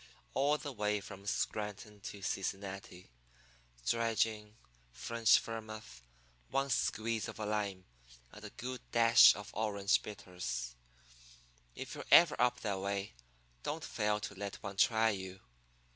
all the way from Scranton to Cincinnati dry gin, French vermouth, one squeeze of a lime, and a good dash of orange bitters. If you're ever up that way, don't fail to let one try you.